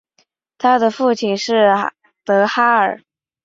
她的父亲是德哈尔。